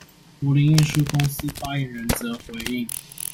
柏林運輸公司發言人則回應：